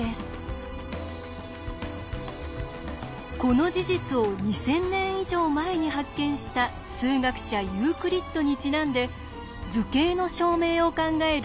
この事実を２，０００年以上前に発見した数学者ユークリッドにちなんで図形の証明を考える